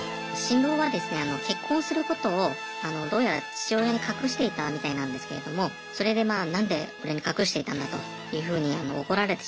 あの結婚することをどうやら父親に隠していたみたいなんですけれどもそれでまあ何で俺に隠していたんだというふうに怒られてしまって。